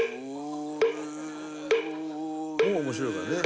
「もう面白いからね」